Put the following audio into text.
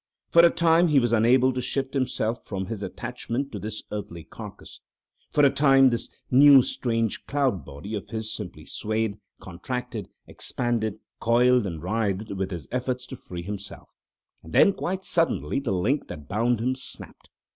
For a time he was unable to shift himself from his attachment to his earthly carcass. For a time this new strange cloud body of his simply swayed, contracted, expanded, coiled, and writhed with his efforts to free himself, and then quite suddenly the link that bound him snapped.